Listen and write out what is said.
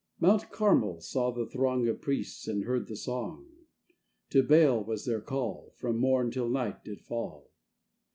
Mount Carmel saw the throngOf priests and heard the song; To Baal was their call—From morn till night did fall.